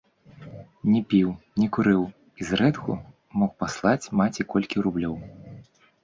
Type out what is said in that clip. Не піў, не курыў і зрэдку мог паслаць маці колькі рублёў.